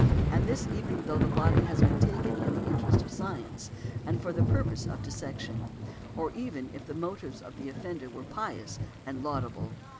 And this even though the body has been taken in the interest of science, and for the purpose of dissection; or even if the motives of the offender were pious and laudable.